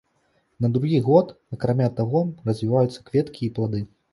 На другі год акрамя таго развіваюцца кветкі і плады.